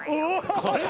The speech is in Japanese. これは。